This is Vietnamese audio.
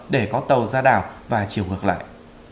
để có tàu ra đảo và chiều ngược lại